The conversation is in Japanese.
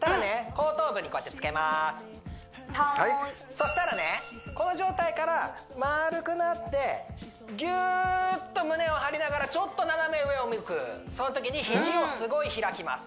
後頭部にこうやってつけますそしたらねこの状態から丸くなってぎゅーっと胸を張りながらちょっと斜め上を向くそのときに肘をすごい開きます